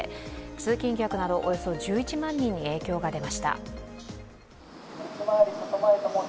通勤客など、およそ１１万人に影響が出ました。